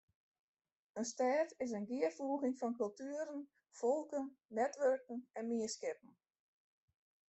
In stêd is in gearfoeging fan kultueren, folken, netwurken en mienskippen.